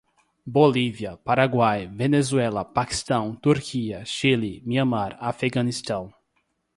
Bolívia, Paraguai, Venezuela, Paquistão, Turquia, Chile, Myanmar, Afeganistão